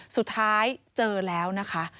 สุดท้ายเจอแล้วนะคะ